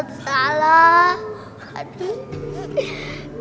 ya allah apa salah